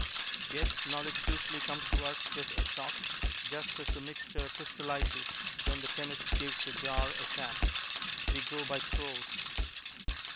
Yet knowledge usually comes to us with a shock, just as the mixture crystallizes when the chemist gives the jar a tap. We grow by throes.